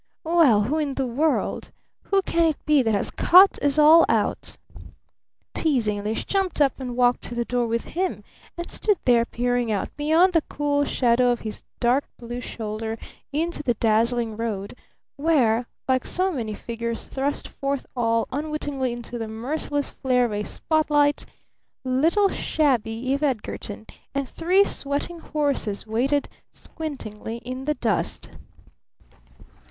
Well, who in the world who can it be that has cut us all out?" Teasingly she jumped up and walked to the door with him, and stood there peering out beyond the cool shadow of his dark blue shoulder into the dazzling road where, like so many figures thrust forth all unwittingly into the merciless flare of a spot light, little shabby Eve Edgarton and three sweating horses waited squintingly in the dust.